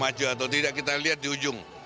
maju atau tidak kita lihat di ujung